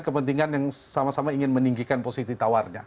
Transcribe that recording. kepentingan yang sama sama ingin meninggikan posisi tawarnya